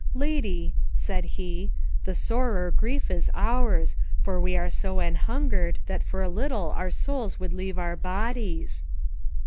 "Lady," said he, "the sorer grief is ours, for we are so anhungered, that for a little our souls would leave our bodies."